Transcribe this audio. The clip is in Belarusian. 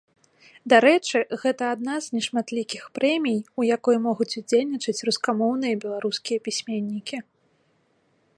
Дарэчы, гэта адна з нешматлікіх прэмій, у якой могуць удзельнічаць рускамоўныя беларускія пісьменнікі.